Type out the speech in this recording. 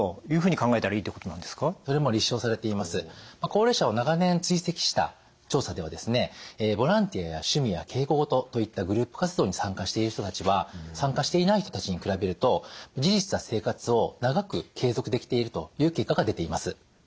高齢者を長年追跡した調査ではですねボランティアや趣味や稽古事といったグループ活動に参加している人たちは参加していない人たちに比べると自立した生活を長く継続できているという結果が出ています。